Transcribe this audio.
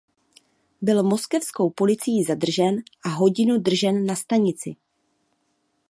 Byl moskevskou policií zadržen a hodinu držen na stanici.